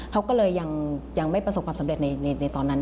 เขาก็เลยยังไม่ประสบความสำเร็จในตอนนั้น